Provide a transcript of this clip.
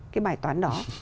cái bài toán đó